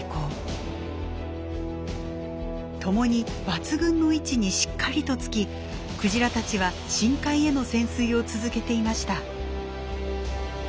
ともに抜群の位置にしっかりとつきクジラたちは深海への潜水を続けていました。